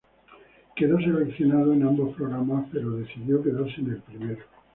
Quedó seleccionado en ambos programas pero decidió quedarse en el primero.